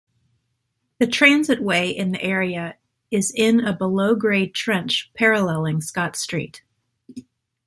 The transitway in the area is in a below-grade 'trench' parallelling Scott Street.